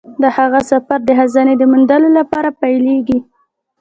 د هغه سفر د خزانې د موندلو لپاره پیلیږي.